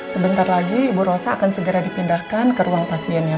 sebentar lagi ibu rosa akan segera dipindahkan ke ruang pasiennya